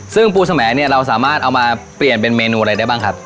ซึ่งปูสมแอเนี่ยเราสามารถเอามาเปลี่ยนเป็นเมนูอะไรได้บ้างครับ